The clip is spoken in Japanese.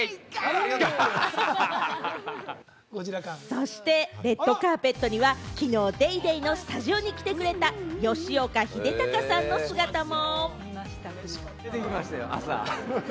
そして、レッドカーペットにはきのう『ＤａｙＤａｙ．』のスタジオに来てくれた吉岡秀隆さんの姿も！